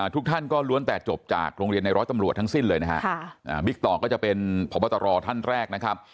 ทุกท่านก็ล้วนแต่จบจากโรงเรียนในร้อยตำรวจทั้งสิ้นเลยนะฮะบิ๊กต่อก็จะเป็นพบตรท่านแรกนะครับ